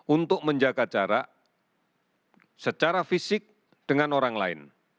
untuk menjaga jarak secara fisik dengan orang lain